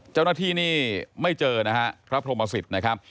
เจ้าหน้าที่นี่ไม่เจอนะครับพระพรมสิทธิ์นะครับ